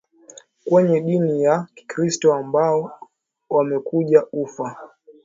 kwenye dini ya kikristo ambao wamekuja ufa